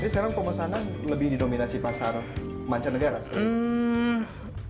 sekarang p fashioned lebih di dominasi di pasaran mancanegara